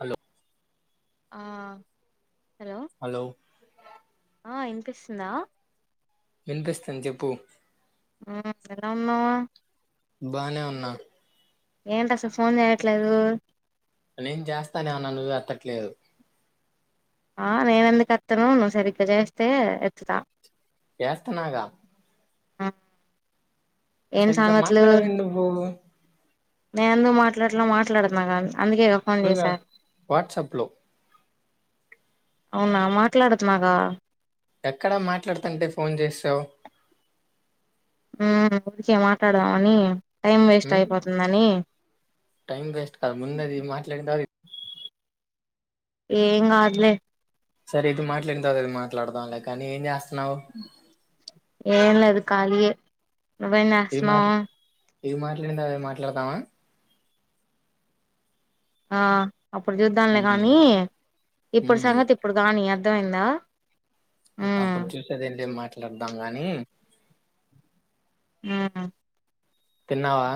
Hello ఆ hello ఆఁ ఇనిపిస్తుందా? ఇనిపిస్తుంది చెప్పు. మ్మ్ ఏలా ఉన్నావు బానే ఉన్నా. ఏంటి అసలు ఫోన్ చేయట్లేదు? నేను చేస్తానే వున్న నువే ఎత్తట్లేదు. ఆఁ నేను ఎందుకు ఎత్తను నువు సరిగ్గా చేస్తే ఎత్తుతా. చేస్తనగా ఆఁ చక్కగా మాట్లాడవేంటి నువ్వూ? నేను ఎందుకు మాట్లాడట్లే మాట్లాడుతున్నాగా అందుకే గా ఫోన్ ఇప్పుడుగా చేసా వాట్సాప్ లో అవునా మాట్లాడుతున్నగా ఎక్కడా మాట్లాడుతంటే ఫోన్ చేసావు ఉమ్ అందుకే మాట్లాదామని టైం వేస్ట్ అయిపోతుందని టైమ్ వేస్ట్ కాదు ముందది మాట్లాడిన త ఏం గాదులే సరే ఇది మాట్లాడిన తర్వాత అది మాట్లాడదాం లే కానీ ఏం చేస్తున్నావు ఏం లేదు కాళీ ఏ నువ్వెం ఇది మాట్ చేస్తున్నావ్ ఇది మాట్లాడిందా అది మాట్లాదామ ఆ అప్పుడు చూద్దానులే ఉమ్ గానీ ఇప్పుడు ఉమ్ సంగతి ఇప్పుడు గానీ అ అర్థమయిందా అప్పుడు చూసేదెం లేదు మాట్లాడదాం గాని ఉమ్ తిన్నావా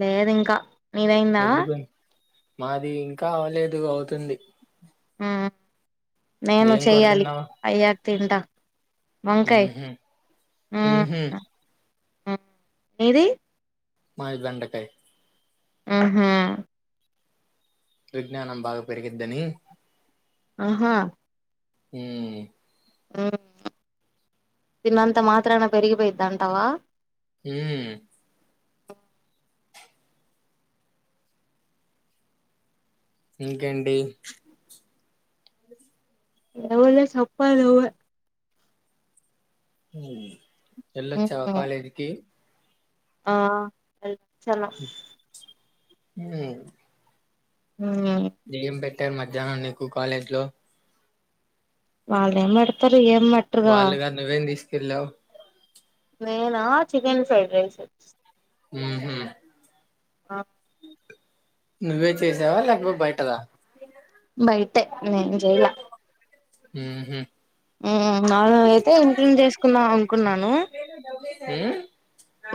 లేదింకా నీదయిందా ఎందుకు మాది ఇంకా అవలేదు అవుతుంది ఆ నేను ఏం కూర చెయ్యాలి తిన్నావ్ అయ్యాక తింట వంకాయ ఊహు ఊహు ఉమ్ నీది మాది బెండకాయి హుహు విజ్ఞానం బాగా పెరిగిద్దని ఆహా ఉమ్ ఉమ్ తినంతా మాత్రాన పెరిగిపోయిద్ది అంటావా ఉమ్ ఇంకేంటి ఏమీలే చెప్పాలి నువ్వే ఉమ్ వెళ్ళొచ్చావా మ్మ్ కాలేజీ కి ఆ వెళ్ళొచ్చాను ఉమ్ ఉమ్ టే మధ్యాహ్నం నీకు కాలేజ్లో వాళ్ళేం పెడతరు ఏం పెట్టారుగా వెళ్ళావ్ నేనా చికెన్ ఫ్రైడ్ రైస్ హు హు ఆ నువ్వే చేసావా లేకపో బయటదా బయటే నేన్ చేయాలా హు హు మాములుగా అయితే ఇంట్లోనే చేసుకుందాం అనుకున్నాను ఉమ్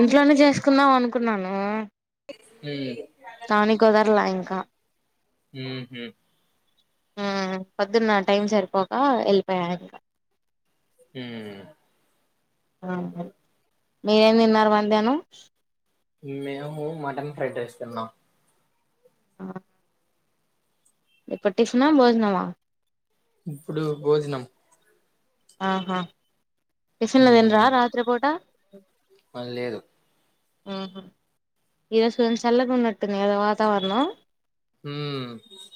ఇంట్లోనే చేసుకుందాం అనుకున్నాను మ్ కానీ కుదరలా ఇ కా హు హు ఉమ్ పొద్దున్న టైం సరిపోక వెళ్ళిపోయా ఇంకా ఉమ్ మీరేం తిన్నారు మధ్యాన్నం మేము మటన్ ఫ్రైడ్ రైస్ తిన్నాం ఆ ఇప్పుడు టిఫినా బోజనమా ఇప్పుడు బోజనం ఆహా టిఫిన్లు తిన్రా రాత్రి పూట పన్ లేదు ఉహు ఈ రోజు కోన్ చల్లగా ఉన్నట్టుంది కదా వాతావరణం ఉమ్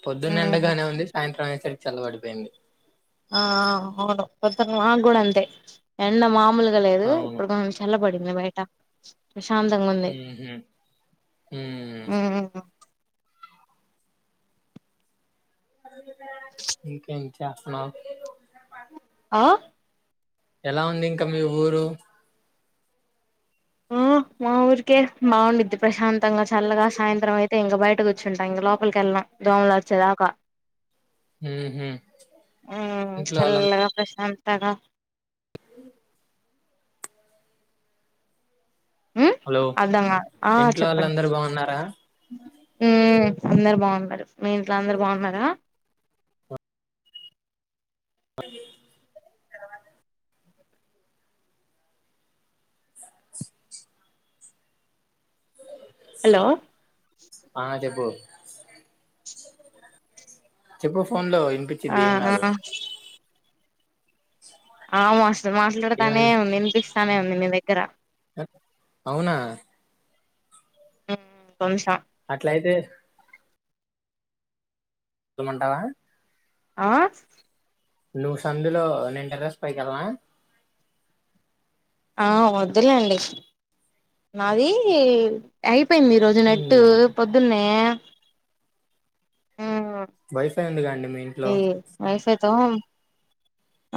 పొద్దున్న ఎండగానే ఉంది సాయంత్రం అయేసరికి చల్లవడిపోయింది ఆ అవును పొద్దున్న మాక్ గూడ అంతే ఎండ మాముల్ లేదు అవును ఇప్పుడు కొంచెం చల్లబడింది బయట ప్రశాంతంగా ఉంది ఉహు హ్మ్ ఉమ్ ఉ ఇంకేం చాస్తున్నావ్ ఆ ఎలా ఉంది ఇంకా మీ ఊరు ఊ మా ఊరికే బా ఉండుద్ది ప్రశాంతంగా చల్లగా సాయంత్రం అయితే ఇంక బయట కూచుంట ఇంక లోప్ పల్ కెల్లను దోమలు వచ్చే దాక ఉహు ఉమ్ ఇంట్లో వాళ్ళం చల్లగా ప్రశాంత్ తగా ఉమ్ హలో అర్ధం గాలే ఆ ఇంట్లో చెప్పండి వాళ్ళందరు బాగున్నారా ఉమ్ అందరు బాగున్నరు మీ ఇంట్లో అందరు బాగున్నరా వా హలో ఆ చెప్పూ చెప్పు ఫోన్ లో ఇ ఆ ఇన్పించిద్ది ఏం ఆ గాదు ఆ మస్తు మాట్లాడుతానే ఏమైంది ఉంది ఇనిపిస్తానే ఉంది మీ దగ్గర [unintelligible] అవునా ఉమ్ కొన్షా అట్లయితే డు మంటావా ఆ నువ్వు సందులో నేన్ టెర్రస్ పైకెళ్ళన ఆ వద్దు లేండి నాది అయి పోయింది ఈ రోజు నెట్టు హ్మ్ పొద్దున్నే ఉమ్ వైఫై ఉందిగా అండి మీ ఇంట్లో ఈ వైఫైతో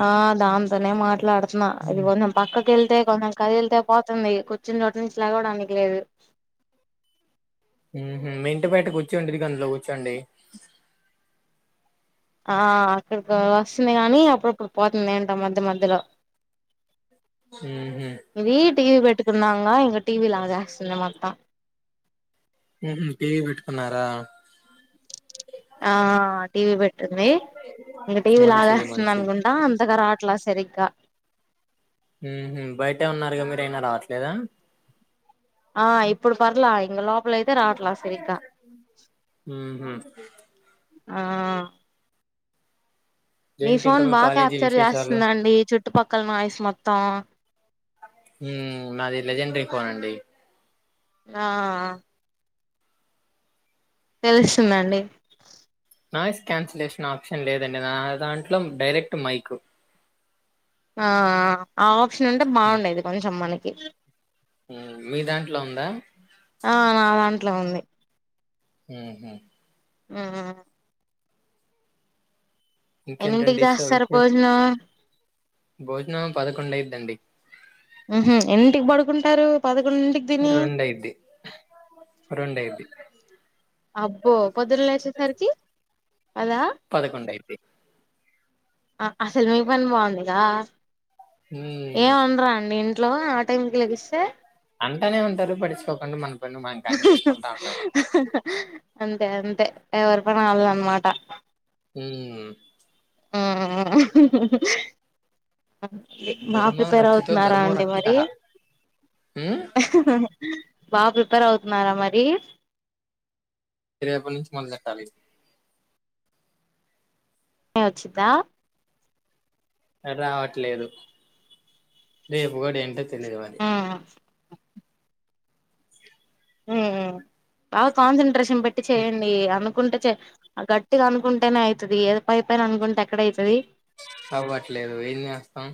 ఆ దాంతోనే మాట్లాడుతున్న ఇదిగో నా పక్కక్ కెళ్తే కొంచెం కదిల్తే పోతుంది కూర్చున్ చోటు నుంచి లాగవడానికి లేదు ఉహు మీ ఇంటి బయట కూర్చోండి ఇవి గందులో కూర్చోండి ఆ అక్కడికి వస్తుంది కానీ అప్పుడప్పుడు పోతుంది ఏంటో మధ్య మధ్యలో ఇది ఉహూ టీవీ పెట్టుకున్నంగా ఇంగ టీవీ లాగా అస్తుంది మొత్తం ఉహు టీవీ పెట్టుకున్నారా ఆ టీవీ పెట్ ఉంది. ఇంగ టీవీ లాగా మంచిది అస్తుంది మంచిది అనుకుంటా అంతగా రావట్ ట్ల సరిగ్గా ఉహు బయటే ఉన్నారుగా మీరు అయినా రావట్లేదా ఆ ఇప్పుడు పర్ల ఇంగ లో హ్మ్ హు ఆఁ నీ ఏంటి ఇంకా ఫోన్ మీ బాగ కాలేజీ క్యాప్చర్ విశేషాలు చేస్తుందండి చుట్టు పక్కల నాయిస్ మొత్తం. హ్మ్ నాది లెజెండ్రి ఫోన్ అండి ఆఁ తెలుస్తుందండి నాయిస్ క్యాన్సిలేషన్ ఆప్షన్ లేదండి నా దాంట్లో డైరెక్ట్ మైకు ఆ ఆప్షన్ ఉంటే బాగుండేది కొంచెం మనకి ఉమ్ మీ దాంట్లో ఉందా ఆ నా దాంట్లో ఉంది ఉహు ఆ ఎన్నింటికి ఇంకేంటండి సో చేస్తారు విశేష భోజనం భోజనం పదకొండ అయిందండి ఉహు అన్నింటికి పడుకుంటారు పద రెండైది రెండఐది అబ్బో పొదురల వసే సరికి అదా పదకొండయిది అసలు మీ పని బాగుందిగా ఏ ఉమ్ ఉండరా అండి ఇంట్లో టైంకి లెగిస్తే అంటానే ఉంటారు పడిచుకోకుండా మన పని మనం కని చేసుకుంటా ఉంటాం అంతే అం తే ఎవరి పని వాళ్ళది అనమాటా హ ఆ బా ధర్మం ప్రిపేర్ రక్షితో అవుతున్నారా ధర్మో అండి రక్షిత మరి ఉమ్ బాగా ప్రిపేర్ అవుతున్నారా మరి రేపనుంది మొదలెట్టాలి ఏ వచితా రావట్లేదు రేపు కూడా ఏంటో తెలియదు మరి ఉమ్ ఉమ్ బాగా కాన్సన్ంట్రేషన్ పెట్టి చేయండి అందు నుకుంటే గట్టిగా అనుకుంటేనే అవుతుది ఏద పైపోయిన అనుకుంటే ఎక్కడ అవుతుది చవ్వట్లేదు ఏన్ని చేస్తాం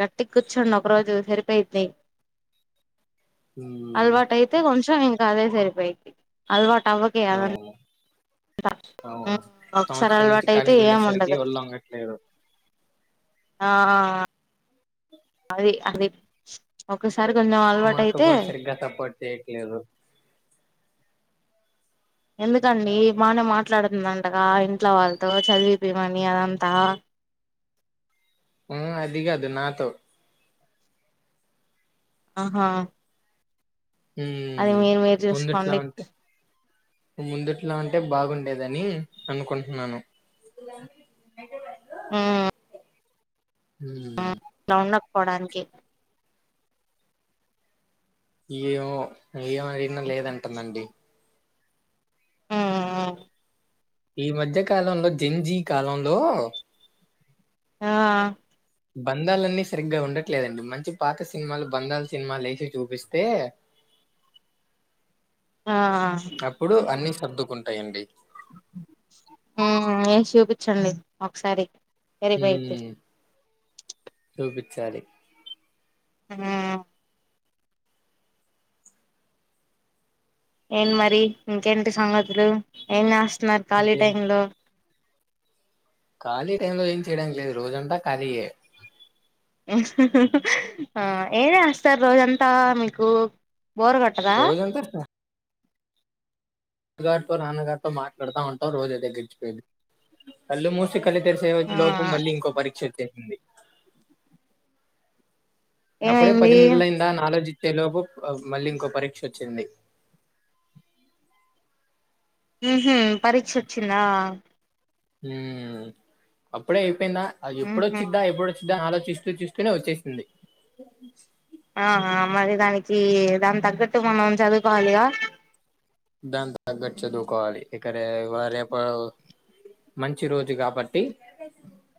గట్టికూర్చోండి ఒక రోజు సరిపోయిద్యి ఉమ్ అలవాటు అయితే కొంచెం ఇంకా అదే సరిపోయిది అలవాటు అవ్వకయాదండి అవును ఆ ఉ అవును ఒకసారి సంవత్సరం నుంచి అలవాటు అయితే ఖాళీగా ఏమి ఉండేసరికి ఉండదు ఒళ్ళు వంగట్లేదు ఆ అది అది ఒకస సార్ కొజ అల్వాట మా అక్క అయితే కూడా సరిగ్గా సపోర్ట్ చేయట్లేదు ఎందుకండి బానే మాట్లాడుతుందింటగా ఇంట్లో వాళ్ళతో చదివిపోమని అదంతా ఉమ్ అదికదు నాతో ఆహా ఉ అది మీరు మీరు ముందుట్లా చూసుకోండి అంటే ముందుట్లా అంటే బాగుండేదని అనుకుంటున్నాను ఆ ఉమ్ పోడానికి ఏమో ఏమడిగినా లేదంటుందండి ఉమ్ ఈ మధ్య కాలంలో జింజి కాలంలో ఆ బంధాలన్నీ సరిగ్గా ఉండట్లేదండి మంచి పాత సినిమాలు బంధాలు సినిమాలు వేసి చూపిస్తే ఆ అప్పుడు అన్ని సర్దుకుంటాయండి ఆ ఏసి చూపించండి ఒకసారి ఎరపోయితే [unintelligible] చూపించాలి. హ్మ్! ఏం మరి! ఇంకేంటి సంగతులు ఏం చేస్తున్నారు? ఖాళీ ఏం టైంలో. ఖాళీ టై లో ఏం చేయడానికి లేదు రోజుంతా ఖాళీయే. హ హా! ఏంజేస్తారు రోజంతా? మీరు బోరుకొట్టదా? రోజంతా [unintelligible] నాన్నగారితో మాట్లాడుతా ఉంటాం రోజు ఇలా గడచిపోయింది కళ్ళు మూసి కళ్ళు తెరిసి ఆ వచ్చేలోపు మళ్ళీ ఇంకో పరీక్ష వచ్చేసింది. అప్పుడే ఏమైంది పది నెలలు అయిందా అని ఆలోచిచేలోపు మళ్లీ ఇంకో పరీక్షలు. చెన్నడి [unintelligible] హు, హూ! పరీక్ష వచ్చిందా? మ్! అప్పుడే అయిపోయిందా? ఉహు ఎప్పుడొచ్చిందా? ఎప్పుడొచ్చిందాని ఆలోచిస్తు ఆలోచిస్తూనే వచ్చేసింది. ఆ మరి దానికి దాని తగ్గట్టు మనం చదువుకోవాలిగా. దాని తగ్గట్ చదువుకోవాలి ఇకరే వ రేపు మంచి రోజు కాబట్టి.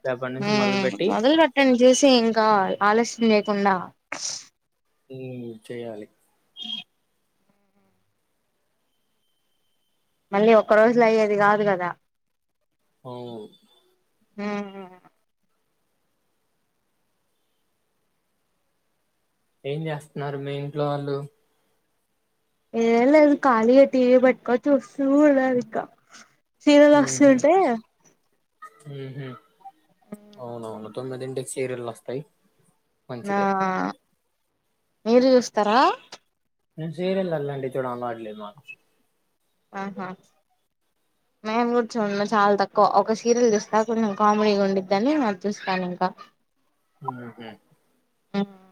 రేపటి నుంచి మ్ మొదలుపెట్టి మొదలుపెట్టండి. చూసి ఇంకా ఆలస్యం లేయకుండా? చేయాలి. ఇ [unintelligible] అన్నీ ఒక్క రోజులో అయ్యేది కాదు కదా. అవును. మ్! ఇంక ఏంచేస్తున్నారు? మీ ఇంట్లో వాళ్ళు. ఏ లే ఖాళీ గా టివి పెట్టుకుని చూస్తున్నాను ఇంక సీరియల్ వస్తుంటే. హు హూ! అవునవును, తొమ్మిదింటికి సీరియల్ వస్తాయి. ఆ మంచిదే మీరు చూస్తారా? నేను సీరియల్ అట్లాంటివి చూడ అలవాట్లేదు మాకు. ఆహా! మేము కూడా చాలా తక్కువ ఒక సీరియల్ చూస్తా కొంచెం కామెడీగా ఉందని చూస్తాను. కా [unintelligible] హ్మ్ హు! ఉమ్ [unintelligible]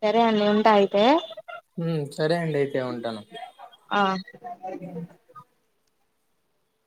సరే అండి ఉంటా. అంటే? ఉమ్ సరే అండి అయితే ఉంటాను